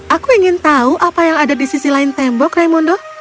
aku ingin tahu apa yang ada di sisi lain tembok raimondo